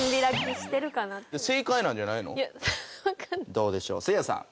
どうでしょうせいやさん。